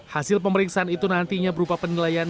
hasil pemeriksaan itu nantinya berupa penilaian